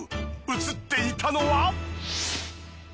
映っていたのは。